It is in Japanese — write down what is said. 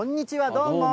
どうも。